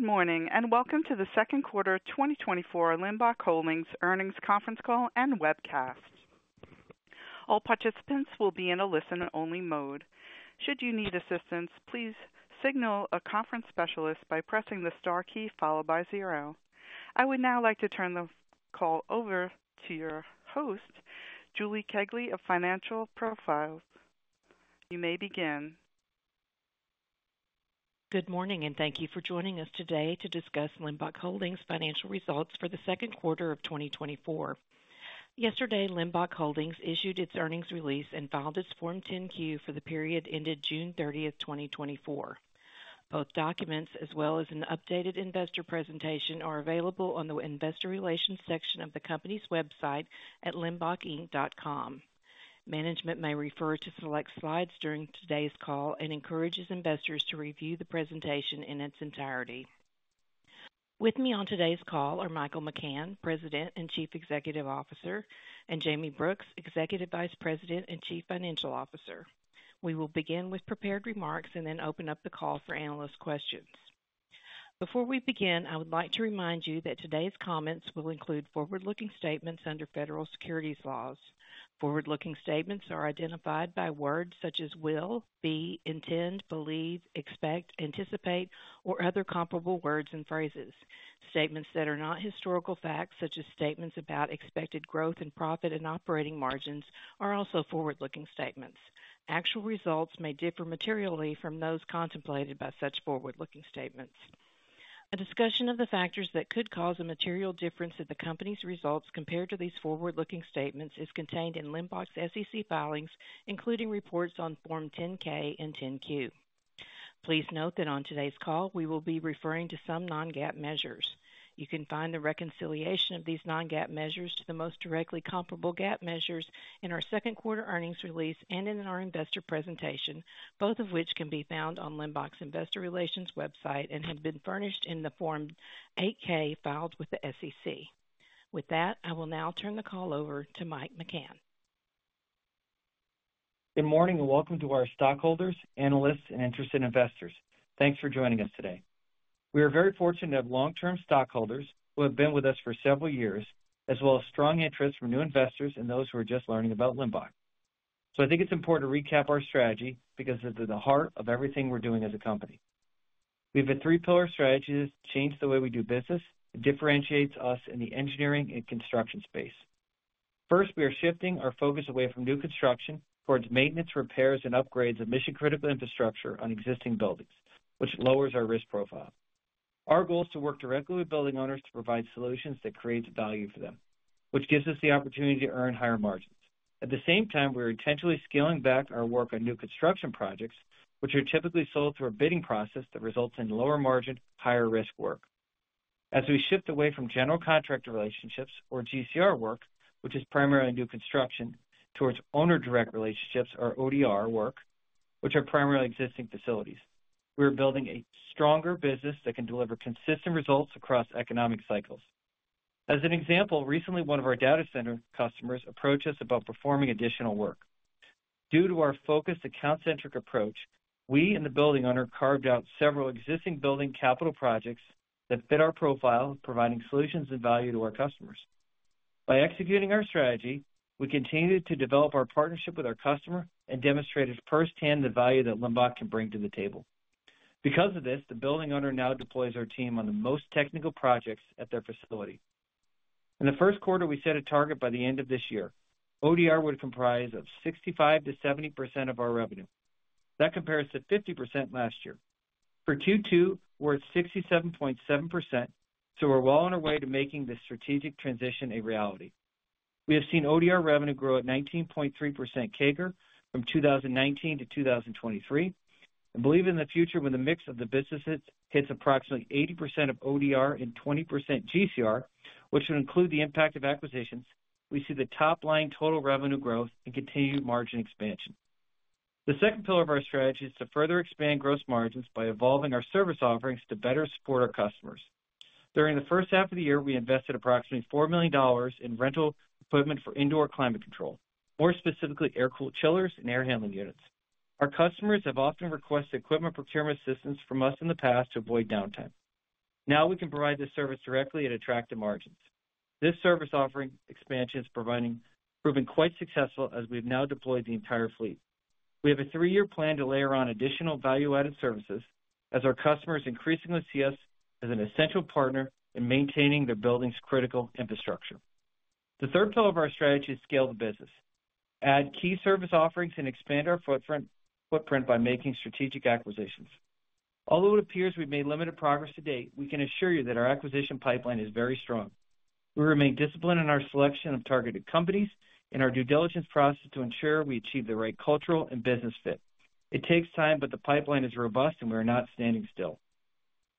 Good morning, and welcome to the second quarter 2024 Limbach Holdings Earnings Conference Call and Webcast. All participants will be in a listen-only mode. Should you need assistance, please signal a conference specialist by pressing the star key followed by zero. I would now like to turn the call over to your host, Julie Kegley of Financial Profiles. You may begin. Good morning, and thank you for joining us today to discuss Limbach Holdings financial results for the second quarter of 2024. Yesterday, Limbach Holdings issued its earnings release and filed its Form 10-Q for the period ended June 30, 2024. Both documents, as well as an updated investor presentation, are available on the Investor Relations section of the company's website at limbachinc.com. Management may refer to select slides during today's call and encourages investors to review the presentation in its entirety. With me on today's call are Michael McCann, President and Chief Executive Officer, and Jayme Brooks, Executive Vice President and Chief Financial Officer. We will begin with prepared remarks and then open up the call for analyst questions. Before we begin, I would like to remind you that today's comments will include forward-looking statements under federal securities laws. Forward-looking statements are identified by words such as will, be, intend, believe, expect, anticipate, or other comparable words and phrases. Statements that are not historical facts, such as statements about expected growth in profit and operating margins, are also forward-looking statements. Actual results may differ materially from those contemplated by such forward-looking statements. A discussion of the factors that could cause a material difference in the company's results compared to these forward-looking statements is contained in Limbach's SEC filings, including reports on Form 10-K and 10-Q. Please note that on today's call, we will be referring to some non-GAAP measures. You can find the reconciliation of these non-GAAP measures to the most directly comparable GAAP measures in our second quarter earnings release and in our investor presentation, both of which can be found on Limbach's Investor Relations website and have been furnished in the Form 8-K filed with the SEC. With that, I will now turn the call over to Mike McCann. Good morning, and welcome to our stockholders, analysts, and interested investors. Thanks for joining us today. We are very fortunate to have long-term stockholders who have been with us for several years, as well as strong interest from new investors and those who are just learning about Limbach. So I think it's important to recap our strategy because it's at the heart of everything we're doing as a company. We have a three-pillar strategy to change the way we do business. It differentiates us in the engineering and construction space. First, we are shifting our focus away from new construction towards maintenance, repairs, and upgrades of mission-critical infrastructure on existing buildings, which lowers our risk profile. Our goal is to work directly with building owners to provide solutions that creates value for them, which gives us the opportunity to earn higher margins. At the same time, we are intentionally scaling back our work on new construction projects, which are typically sold through a bidding process that results in lower margin, higher risk work. As we shift away from General Contractor Relationships, or GCR work, which is primarily new construction, towards Owner Direct Relationships or ODR work, which are primarily existing facilities, we are building a stronger business that can deliver consistent results across economic cycles. As an example, recently, one of our data center customers approached us about performing additional work. Due to our focused account-centric approach, we and the building owner carved out several existing building capital projects that fit our profile, providing solutions and value to our customers. By executing our strategy, we continued to develop our partnership with our customer and demonstrated firsthand the value that Limbach can bring to the table. Because of this, the building owner now deploys our team on the most technical projects at their facility. In the first quarter, we set a target by the end of this year, ODR would comprise of 65%-70% of our revenue. That compares to 50% last year. For Q2, we're at 67.7%, so we're well on our way to making this strategic transition a reality. We have seen ODR revenue grow at 19.3% CAGR from 2019 to 2023, and believe in the future, when the mix of the businesses hits approximately 80% of ODR and 20% GCR, which would include the impact of acquisitions, we see the top line total revenue growth and continued margin expansion. The second pillar of our strategy is to further expand gross margins by evolving our service offerings to better support our customers. During the first half of the year, we invested approximately $4 million in rental equipment for indoor climate control, more specifically, air-cooled chillers and air handling units. Our customers have often requested equipment procurement assistance from us in the past to avoid downtime. Now, we can provide this service directly at attractive margins. This service offering expansion is proving quite successful as we've now deployed the entire fleet. We have a three-year plan to layer on additional value-added services as our customers increasingly see us as an essential partner in maintaining their building's critical infrastructure. The third pillar of our strategy is to scale the business, add key service offerings, and expand our footprint, footprint by making strategic acquisitions. Although it appears we've made limited progress to date, we can assure you that our acquisition pipeline is very strong. We remain disciplined in our selection of targeted companies and our due diligence process to ensure we achieve the right cultural and business fit. It takes time, but the pipeline is robust, and we are not standing still.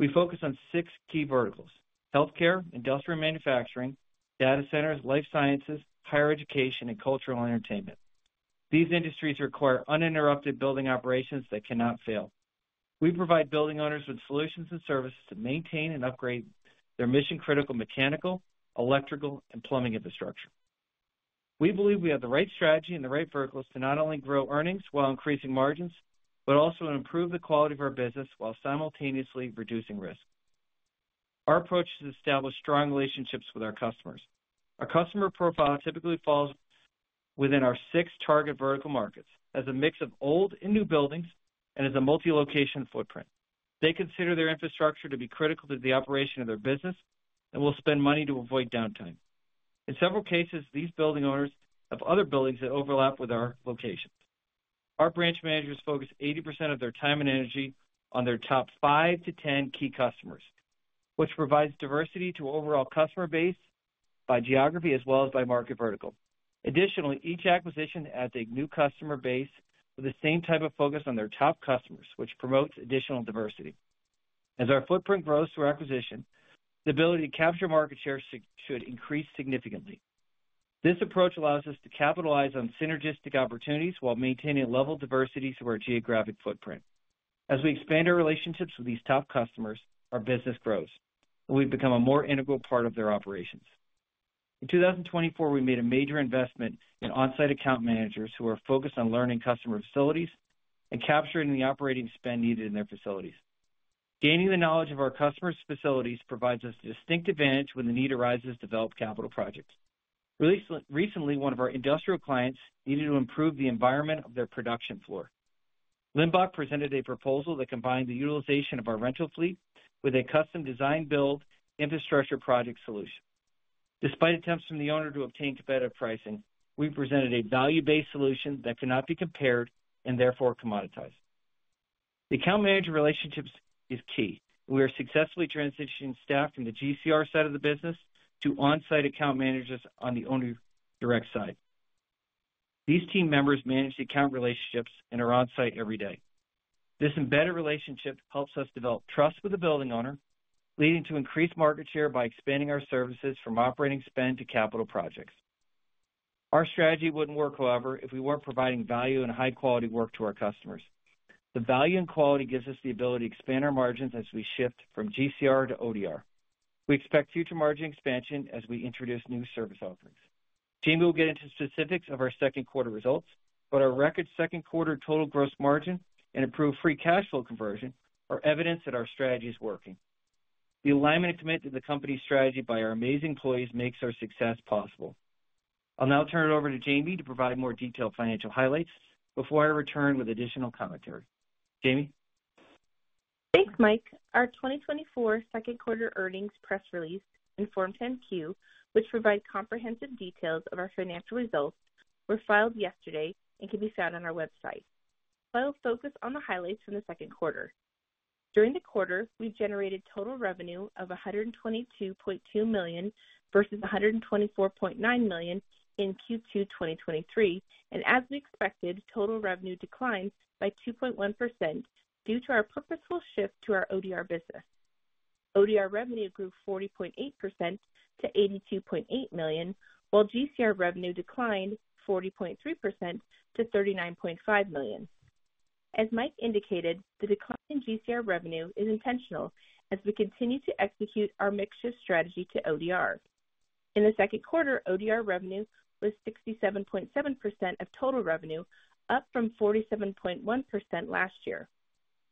We focus on six key verticals: healthcare, industrial manufacturing, data centers, life sciences, higher education, and cultural entertainment. These industries require uninterrupted building operations that cannot fail. We provide building owners with solutions and services to maintain and upgrade their mission-critical, mechanical, electrical, and plumbing infrastructure....We believe we have the right strategy and the right verticals to not only grow earnings while increasing margins, but also improve the quality of our business while simultaneously reducing risk. Our approach is to establish strong relationships with our customers. Our customer profile typically falls within our six target vertical markets, as a mix of old and new buildings, and as a multi-location footprint. They consider their infrastructure to be critical to the operation of their business and will spend money to avoid downtime. In several cases, these building owners have other buildings that overlap with our locations. Our branch managers focus 80% of their time and energy on their top 5-10 key customers, which provides diversity to overall customer base by geography as well as by market vertical. Additionally, each acquisition adds a new customer base with the same type of focus on their top customers, which promotes additional diversity. As our footprint grows through acquisition, the ability to capture market share should increase significantly. This approach allows us to capitalize on synergistic opportunities while maintaining level diversities to our geographic footprint. As we expand our relationships with these top customers, our business grows, and we've become a more integral part of their operations. In 2024, we made a major investment in on-site account managers who are focused on learning customer facilities and capturing the operating spend needed in their facilities. Gaining the knowledge of our customers' facilities provides us a distinct advantage when the need arises to develop capital projects. Recently, one of our industrial clients needed to improve the environment of their production floor. Limbach presented a proposal that combined the utilization of our rental fleet with a custom design-build, infrastructure project solution. Despite attempts from the owner to obtain competitive pricing, we presented a value-based solution that cannot be compared and therefore commoditized. The account manager relationships is key. We are successfully transitioning staff from the GCR side of the business to on-site account managers on the owner direct side. These team members manage the account relationships and are on-site every day. This embedded relationship helps us develop trust with the building owner, leading to increased market share by expanding our services from operating spend to capital projects. Our strategy wouldn't work, however, if we weren't providing value and high quality work to our customers. The value and quality gives us the ability to expand our margins as we shift from GCR to ODR. We expect future margin expansion as we introduce new service offerings. Jayme will get into specifics of our second quarter results, but our record second quarter total gross margin and improved free cash flow conversion are evidence that our strategy is working. The alignment and commitment to the company's strategy by our amazing employees makes our success possible. I'll now turn it over to Jayme to provide more detailed financial highlights before I return with additional commentary. Jayme? Thanks, Mike. Our 2024 second quarter earnings press release in Form 10-Q, which provides comprehensive details of our financial results, were filed yesterday and can be found on our website. I'll focus on the highlights from the second quarter. During the quarter, we generated total revenue of $122.2 million versus $124.9 million in Q2 2023. As we expected, total revenue declined by 2.1% due to our purposeful shift to our ODR business. ODR revenue grew 40.8% to $82.8 million, while GCR revenue declined 40.3% to $39.5 million. As Mike indicated, the decline in GCR revenue is intentional as we continue to execute our mix shift strategy to ODR. In the second quarter, ODR revenue was 67.7% of total revenue, up from 47.1% last year.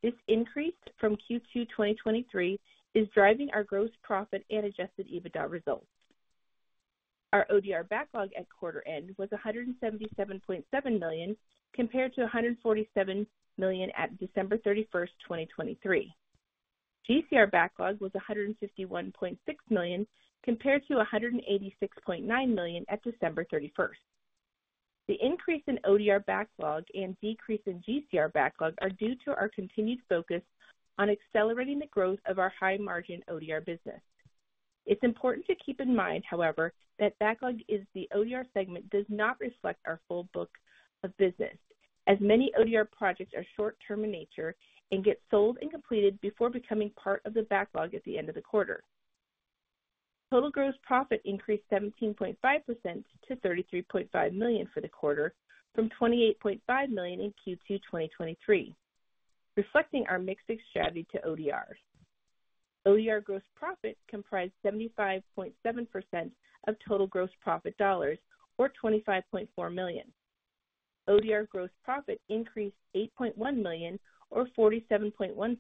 This increase from Q2 2023 is driving our gross profit and adjusted EBITDA results. Our ODR backlog at quarter end was $177.7 million, compared to $147 million at December 31, 2023. GCR backlog was $151.6 million, compared to $186.9 million at December 31. The increase in ODR backlog and decrease in GCR backlog are due to our continued focus on accelerating the growth of our high-margin ODR business. It's important to keep in mind, however, that backlog in the ODR segment does not reflect our full book of business, as many ODR projects are short-term in nature and get sold and completed before becoming part of the backlog at the end of the quarter. Total gross profit increased 17.5% to $33.5 million for the quarter, from $28.5 million in Q2 2023, reflecting our mix shift strategy to ODRs. ODR gross profit comprised 75.7% of total gross profit dollars or $25.4 million. ODR gross profit increased $8.1 million, or 47.1%,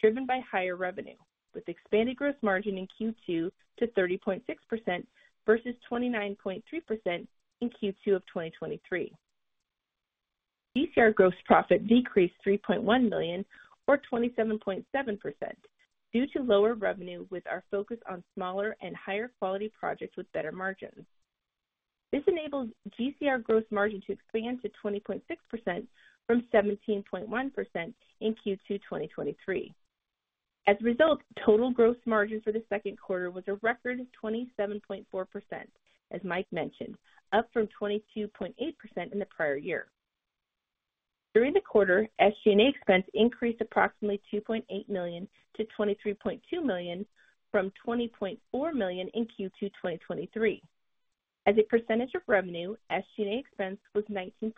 driven by higher revenue, with expanded gross margin in Q2 to 30.6% versus 29.3% in Q2 of 2023. GCR gross profit decreased $3.1 million, or 27.7%, due to lower revenue with our focus on smaller and higher quality projects with better margins. This enabled GCR gross margin to expand to 20.6% from 17.1% in Q2 2023. As a result, total gross margin for the second quarter was a record of 27.4%, as Mike mentioned, up from 22.8% in the prior year. During the quarter, SG&A expense increased approximately $2.8 million to $23.2 million from $20.4 million in Q2 2023. As a percentage of revenue, SG&A expense was 19%,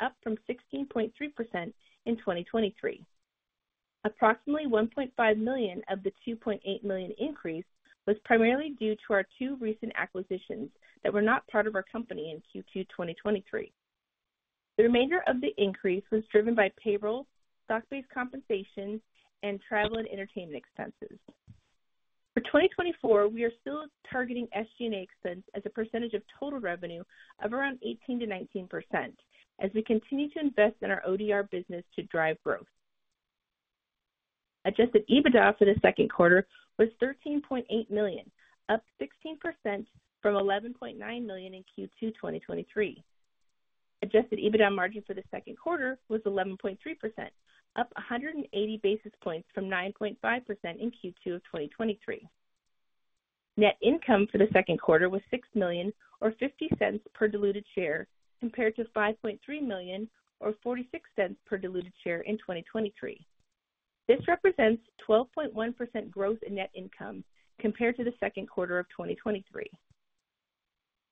up from 16.3% in 2023.... Approximately $1.5 million of the $2.8 million increase was primarily due to our two recent acquisitions that were not part of our company in Q2 2023. The remainder of the increase was driven by payroll, stock-based compensation, and travel and entertainment expenses. For 2024, we are still targeting SG&A expense as a percentage of total revenue of around 18%-19% as we continue to invest in our ODR business to drive growth. Adjusted EBITDA for the second quarter was $13.8 million, up 16% from $11.9 million in Q2 2023. Adjusted EBITDA margin for the second quarter was 11.3%, up 180 basis points from 9.5% in Q2 of 2023. Net income for the second quarter was $6 million, or $0.50 per diluted share, compared to $5.3 million, or $0.46 per diluted share in 2023. This represents 12.1% growth in net income compared to the second quarter of 2023.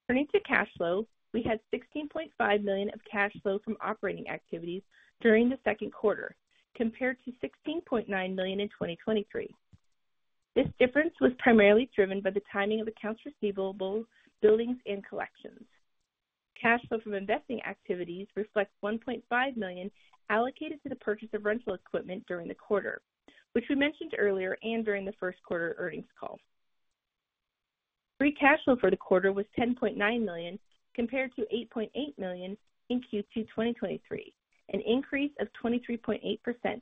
Turning to cash flow, we had $16.5 million of cash flow from operating activities during the second quarter, compared to $16.9 million in 2023. This difference was primarily driven by the timing of accounts receivable, billings, and collections. Cash flow from investing activities reflects $1.5 million allocated to the purchase of rental equipment during the quarter, which we mentioned earlier and during the first quarter earnings call. Free cash flow for the quarter was $10.9 million, compared to $8.8 million in Q2 2023, an increase of 23.8%,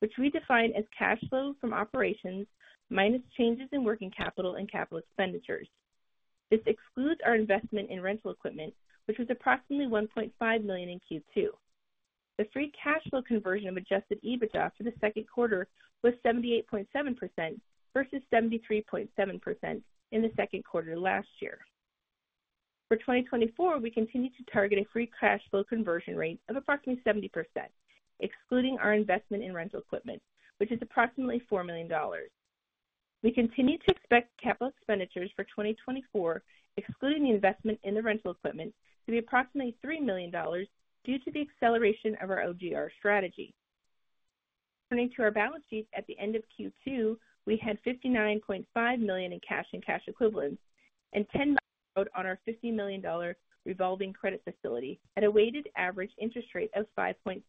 which we define as cash flow from operations minus changes in working capital and capital expenditures. This excludes our investment in rental equipment, which was approximately $1.5 million in Q2. The free cash flow conversion of adjusted EBITDA for the second quarter was 78.7% versus 73.7% in the second quarter last year. For 2024, we continue to target a free cash flow conversion rate of approximately 70%, excluding our investment in rental equipment, which is approximately $4 million. We continue to expect capital expenditures for 2024, excluding the investment in the rental equipment, to be approximately $3 million due to the acceleration of our ODR strategy. Turning to our balance sheet, at the end of Q2, we had $59.5 million in cash and cash equivalents, and none on our $50 million revolving credit facility at a weighted average interest rate of 5.72%.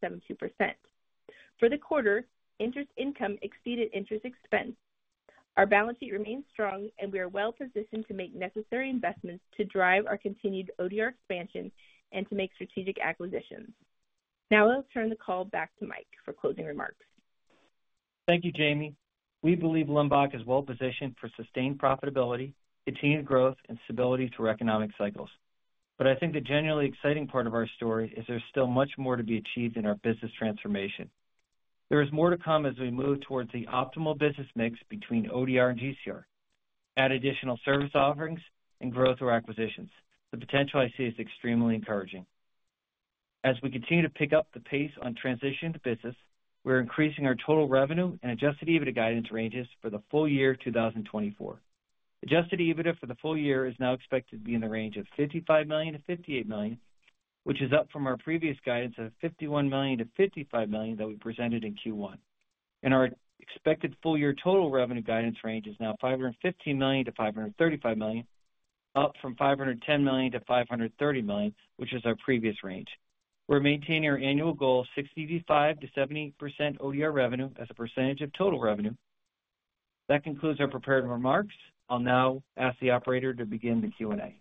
For the quarter, interest income exceeded interest expense. Our balance sheet remains strong, and we are well positioned to make necessary investments to drive our continued ODR expansion and to make strategic acquisitions. Now I'll turn the call back to Mike for closing remarks. Thank you, Jayme. We believe Limbach is well positioned for sustained profitability, continued growth, and stability through economic cycles. But I think the generally exciting part of our story is there's still much more to be achieved in our business transformation. There is more to come as we move towards the optimal business mix between ODR and GCR, add additional service offerings, and growth through acquisitions. The potential I see is extremely encouraging. As we continue to pick up the pace on transition to business, we're increasing our total revenue and Adjusted EBITDA guidance ranges for the full year 2024. Adjusted EBITDA for the full year is now expected to be in the range of $55 million-$58 million, which is up from our previous guidance of $51 million-$55 million that we presented in Q1. Our expected full year total revenue guidance range is now $515 million-$535 million, up from $510 million-$530 million, which is our previous range. We're maintaining our annual goal of 65%-70% ODR revenue as a percentage of total revenue. That concludes our prepared remarks. I'll now ask the operator to begin the Q&A.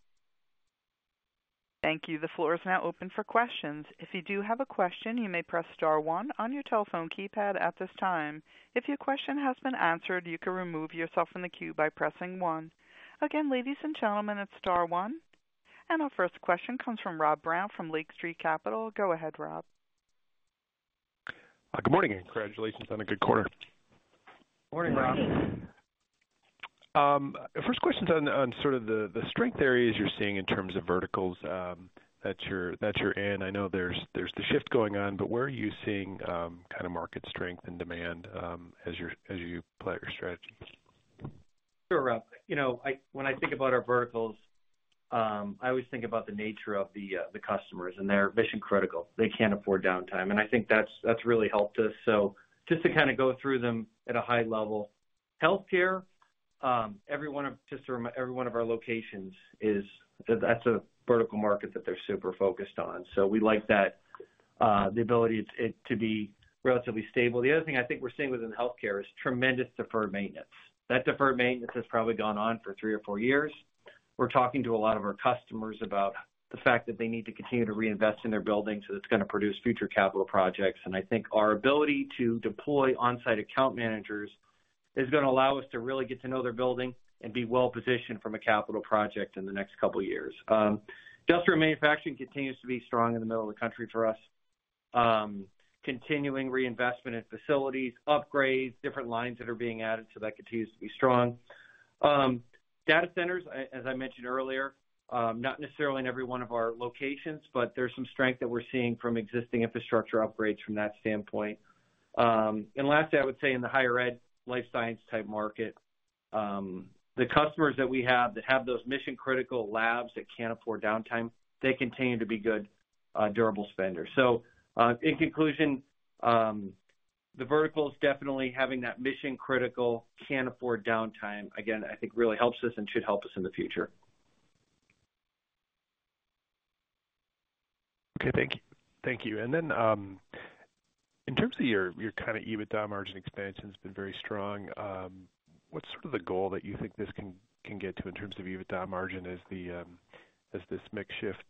Thank you. The floor is now open for questions. If you do have a question, you may press star one on your telephone keypad at this time. If your question has been answered, you can remove yourself from the queue by pressing one. Again, ladies and gentlemen, it's star one. Our first question comes from Rob Brown from Lake Street Capital. Go ahead, Rob. Good morning, and congratulations on a good quarter. Morning, Rob. Morning. First question's on sort of the strength areas you're seeing in terms of verticals that you're in. I know there's the shift going on, but where are you seeing kind of market strength and demand as you play out your strategies? Sure, Rob. You know, I-- when I think about our verticals, I always think about the nature of the customers, and they're mission-critical. They can't afford downtime, and I think that's, that's really helped us. So just to kind of go through them at a high level. Healthcare, every one of our locations is... That's a vertical market that they're super focused on. So we like that, the ability it, it to be relatively stable. The other thing I think we're seeing within healthcare is tremendous deferred maintenance. That deferred maintenance has probably gone on for three or four years. We're talking to a lot of our customers about the fact that they need to continue to reinvest in their buildings, so it's gonna produce future capital projects. And I think our ability to deploy on-site account managers is gonna allow us to really get to know their building and be well-positioned from a capital project in the next couple of years. Industrial manufacturing continues to be strong in the middle of the country for us. Continuing reinvestment in facilities, upgrades, different lines that are being added, so that continues to be strong. Data centers, as I mentioned earlier, not necessarily in every one of our locations, but there's some strength that we're seeing from existing infrastructure upgrades from that standpoint. And lastly, I would say in the higher ed, life science type market, the customers that we have, that have those mission-critical labs that can't afford downtime, they continue to be good, durable spenders. So, in conclusion, the vertical is definitely having that mission-critical, can't afford downtime, again, I think really helps us and should help us in the future. Okay. Thank you. Thank you. And then, in terms of your, your kind of EBITDA margin expansion has been very strong. What's sort of the goal that you think this can, can get to in terms of EBITDA margin as the, as this mix shift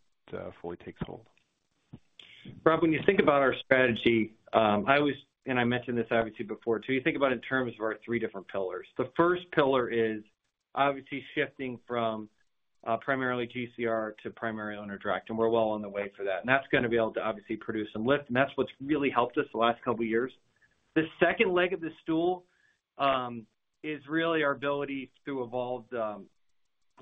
fully takes hold? Rob, when you think about our strategy, I always, and I mentioned this obviously before, too, you think about in terms of our three different pillars. The first pillar is obviously shifting from primarily GCR to primary owner direct, and we're well on the way for that. And that's gonna be able to obviously produce some lift, and that's what's really helped us the last couple of years. The second leg of this stool is really our ability to evolve the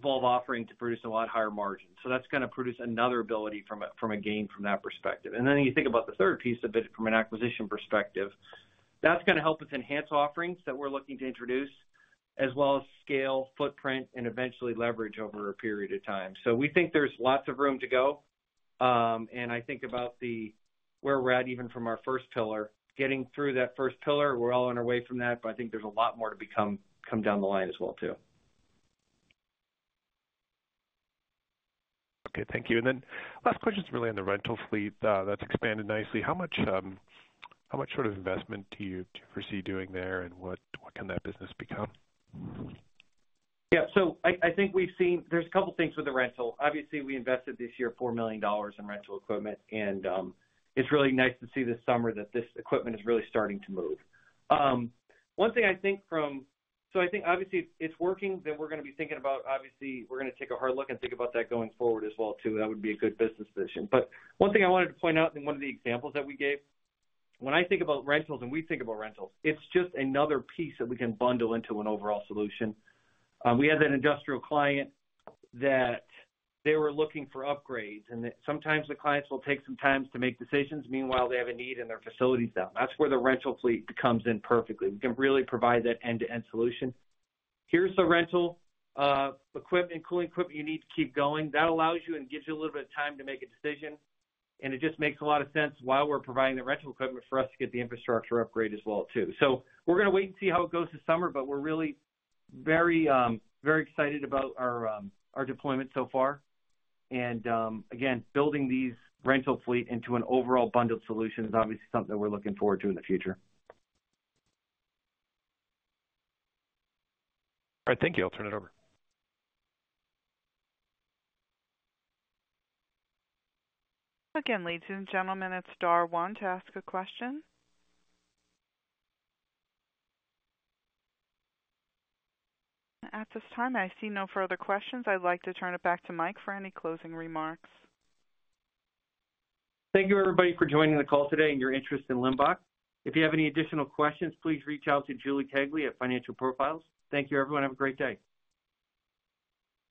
offering to produce a lot higher margins. So that's gonna produce another ability from a gain from that perspective. And then you think about the third piece of it from an acquisition perspective, that's gonna help us enhance offerings that we're looking to introduce, as well as scale, footprint, and eventually leverage over a period of time. So we think there's lots of room to go. And I think about where we're at, even from our first pillar, getting through that first pillar, we're well on our way from that, but I think there's a lot more to come down the line as well, too. Okay, thank you. And then last question is really on the rental fleet, that's expanded nicely. How much, how much sort of investment do you foresee doing there, and what, what can that business become? Yeah. So I think we've seen—there's a couple of things with the rental. Obviously, we invested this year $4 million in rental equipment, and it's really nice to see this summer that this equipment is really starting to move. One thing I think, so I think obviously it's working, that we're gonna be thinking about, obviously we're gonna take a hard look and think about that going forward as well, too. That would be a good business decision. But one thing I wanted to point out in one of the examples that we gave, when I think about rentals and we think about rentals, it's just another piece that we can bundle into an overall solution. We had that industrial client that they were looking for upgrades, and that sometimes the clients will take some times to make decisions. Meanwhile, they have a need in their facilities, though. That's where the rental fleet comes in perfectly. We can really provide that end-to-end solution. Here's the rental equipment, cooling equipment you need to keep going. That allows you and gives you a little bit of time to make a decision, and it just makes a lot of sense while we're providing the rental equipment for us to get the infrastructure upgrade as well, too. So we're gonna wait and see how it goes this summer, but we're really very very excited about our our deployment so far. And, again, building these rental fleet into an overall bundled solution is obviously something we're looking forward to in the future. All right. Thank you. I'll turn it over. Again, ladies and gentlemen, it's star one to ask a question. At this time, I see no further questions. I'd like to turn it back to Mike for any closing remarks. Thank you, everybody, for joining the call today and your interest in Limbach. If you have any additional questions, please reach out to Julie Kegley at Financial Profiles. Thank you, everyone. Have a great day!